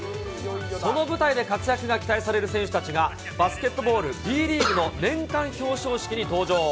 その舞台で活躍が期待される選手たちが、バスケットボールＢリーグの年間表彰式に登場。